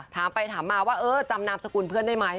ถามไปถามมาว่าเออจำนามสกุลเพื่อนได้ไหม